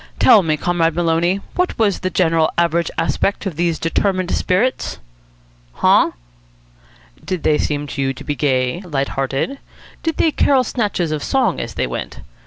"Tell me, Comrade Maloney, what was the general average aspect of these determined spirits?" "Huh?" "Did they seem to you to be gay, lighthearted? Did they carol snatches of song as they went?